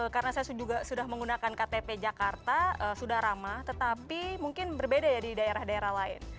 karena saya juga sudah menggunakan ktp jakarta sudah ramah tetapi mungkin berbeda ya di daerah daerah lain